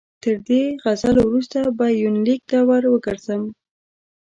تر دې غزلو وروسته به یونلیک ته ور وګرځم.